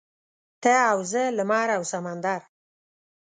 ته او زه لمر او سمندر.